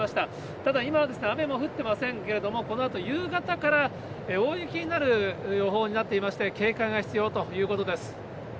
ただ、今は雨も降っていませんけれども、このあと夕方から大雪になる予報になっていまして、警戒が必要ということです。